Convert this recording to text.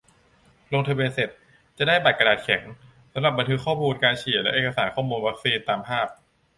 ลงทะเบียนเสร็จจะได้บัตรกระดาษแข็ง สำหรับบันทึกข้อมูลการฉีดและเอกสารข้อมูลวัคซีน ตามภาพ